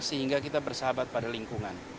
sehingga kita bersahabat pada lingkungan